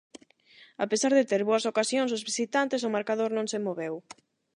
A pesar de ter boas ocasións os visitantes, o marcador non se moveu.